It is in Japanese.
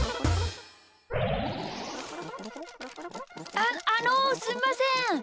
あっあのすいません。